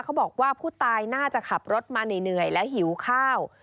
เขาบอกว่าผู้ตายน่าจะขับรถมาเหนื่อยและหิวข้าว